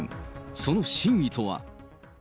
その真意とは。